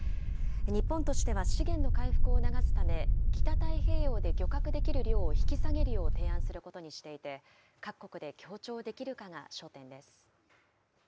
日本としては資源の回復を促すため、北太平洋で漁獲できる量を引き下げるよう提案することにしていて、各国で協調できるかが焦点です。